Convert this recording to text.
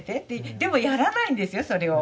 でもやらないんですよそれを。